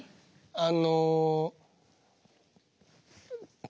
あの。